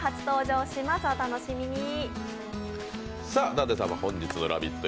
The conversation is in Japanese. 舘様、本日の「ラヴィット！」